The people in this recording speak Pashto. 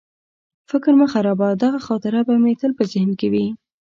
فکر مه خرابوه، دغه خاطره به مې تل په ذهن کې وي.